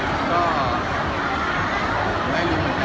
รู้สึกตรงตอนนี้